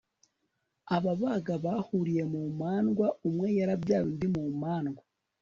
ababaga barahuriye mu mandwa, umwe yarabyaye undi mu mandwa